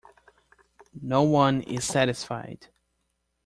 No one is satisfied.